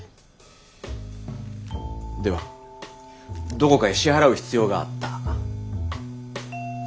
ではどこかへ支払う必要があった？